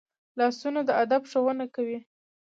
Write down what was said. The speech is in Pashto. لاسونه د ادب ښوونه کوي